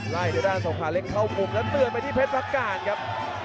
ไล่เดี๋ยวด้านสงคราเล็กเข้ากลุ่มแล้วเตือนไปที่เพชรภักกาลครับ